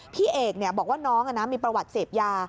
พี่เอกบอกว่าน้องมีประวัติเสพยา